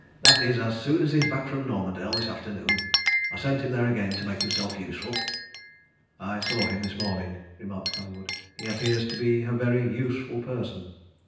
"That is, as soon as he's back from Normandale this afternoon. I sent him there again to make himself useful." "I saw him this morning," remarked Collingwood. "He appears to be a very useful person."